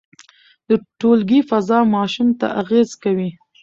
د ټولګي فضا ماشوم ته اغېز کوي.